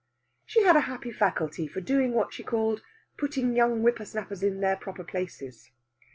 She had a happy faculty for doing what she called putting young whippersnappers in their proper places.